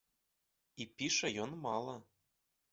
І піша ён мала.